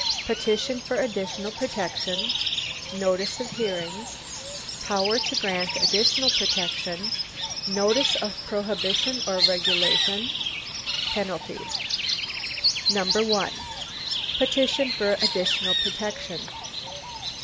Petition for additional protection; notice of hearings; power to grant additional protection; notice of prohibition or regulation; penalties. 1. Petition for additional protection.